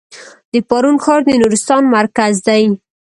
د پارون ښار د نورستان مرکز دی